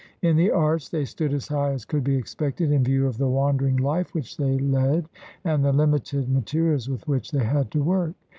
In the arts they stood as high as could be expected in view of the wandering hfe which they led and the Hmited mate rials with which they had to work.